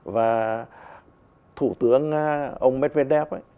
và thủ tướng ông medvedev ấy